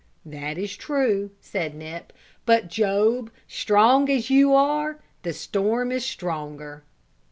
"That is true," said Nip; "but, Job, strong as you are, the storm is stronger."